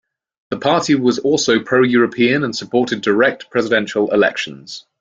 The party was also pro-European and supported direct presidential elections.